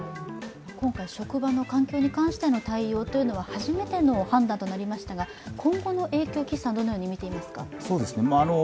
今回職場の環境に対しての対応というのは初めての判断となりましたが今後の影響、どのように見ていますか？